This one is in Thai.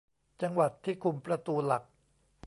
จังหวัดที่คุมประตูหลัก